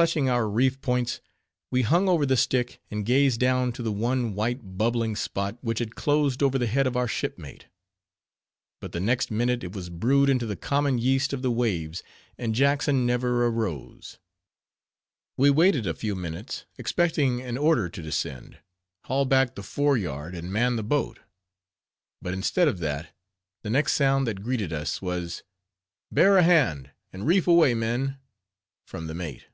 Clutching our reef points, we hung over the stick, and gazed down to the one white, bubbling spot, which had closed over the head of our shipmate; but the next minute it was brewed into the common yeast of the waves, and Jackson never arose. We waited a few minutes, expecting an order to descend, haul back the fore yard, and man the boat; but instead of that, the next sound that greeted us was, "Bear a hand, and reef away, men!" from the mate.